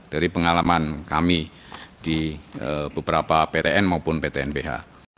dari pengalaman kami di beberapa ptn maupun ptnbh